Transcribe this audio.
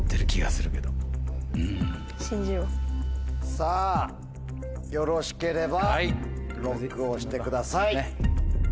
さぁよろしければＬＯＣＫを押してください。